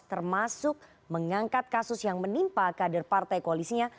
termasuk mengangkat kasus yang menimpa kader partai koalisinya